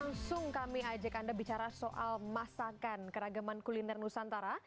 langsung kami ajak anda bicara soal masakan keragaman kuliner nusantara